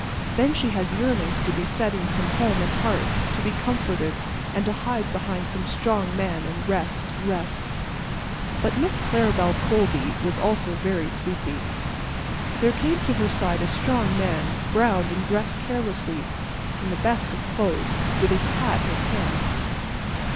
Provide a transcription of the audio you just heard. Then she has yearnings to be set in some home and heart; to be comforted, and to hide behind some strong arm and rest, rest. But Miss Claribel Colby was also very sleepy. There came to her side a strong man, browned and dressed carelessly in the best of clothes, with his hat in his hand.